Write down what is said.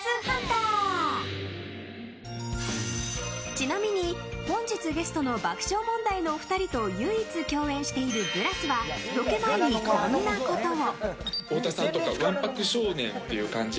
ちなみに、本日ゲストの爆笑問題のお二人と唯一共演しているブラスはロケ前に、こんなことを。